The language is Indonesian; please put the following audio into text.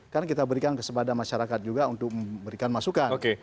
karena kita berikan ke sempadan masyarakat juga untuk memberikan masukan